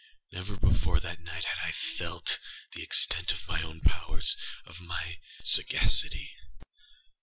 Never before that night had I felt the extent of my own powersâof my sagacity.